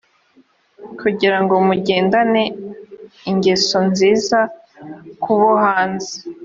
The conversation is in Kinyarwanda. kugira ngo mugendane ingeso nziza ku bo hanze